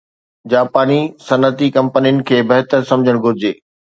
جاپاني صنعتي ڪمپنين کي بهتر سمجهڻ گهرجي